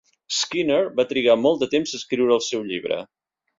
Skinner va trigar molt de temps a escriure el seu llibre.